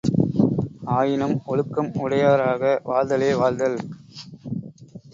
ஆயினும் ஒழுக்கம் உடையராக வாழ்தலே வாழ்தல்.